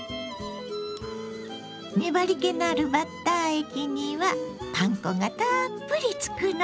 粘りけのあるバッター液にはパン粉がたっぷりつくの。